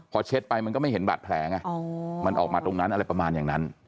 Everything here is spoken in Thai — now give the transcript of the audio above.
พอเช็ดไปมันก็ไม่เห็นบาดแผลไงมันออกมาตรงนั้นอะไรประมาณอย่างนั้น